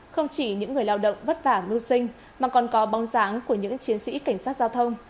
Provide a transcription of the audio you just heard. không chỉ những người lao động vất vả mưu sinh mà còn có bóng dáng của những chiến sĩ cảnh sát giao thông